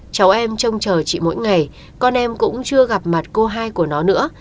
cháu em trông chờ chị mỗi ngày con em cũng chưa gặp mặt cô hai của nó nữa